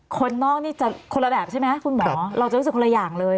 คนนอกนี่จะคนละแบบใช่ไหมคุณหมอเราจะรู้สึกคนละอย่างเลย